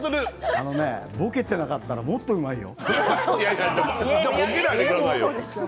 あのねぼけてなかったら、もっとうまいよ。